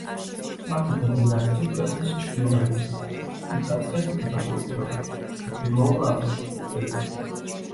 მათი დიდი ნაწილი ქვეყნის ჩრდილოეთითაა, უმკაცრეს კლიმატურ პირობებში ჩრდილოურ არქტიკულ ტერიტორიაზე.